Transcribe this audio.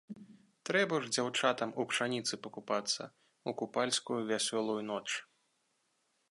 Трэба ж дзяўчатам у пшаніцы пакупацца ў купальскую вясёлую ноч.